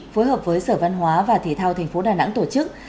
phối hợp với sở văn hóa và thể thao tp đà nẵng tổ chức